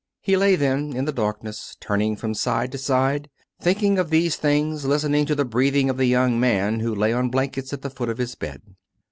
He lay then in the darkness, turning from side to side, thinking of these things, listening to the breathing of the young man who lay on blankets at the foot of his bed.